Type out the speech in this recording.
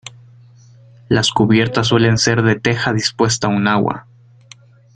Las cubiertas suelen ser de teja dispuesta a un agua.